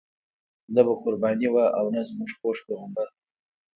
نه به قرباني وه او نه زموږ خوږ پیغمبر.